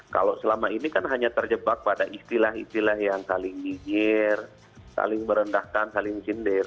kalau selama ini kan hanya terjebak pada istilah istilah yang saling nyinyir saling merendahkan saling sindir